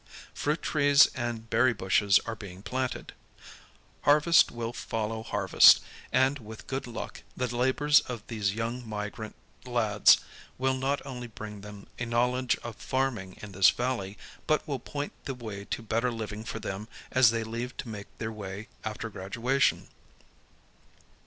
Fruit trees and berry bushes are being planted. Ffarvest \\ill follow harvest, and, with good luck, the labors of these young migrant lads will not only bring them a knowledge of farming in this valley, but will point the way to better living for them as they leave to make their way after graduation.